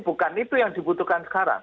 bukan itu yang dibutuhkan sekarang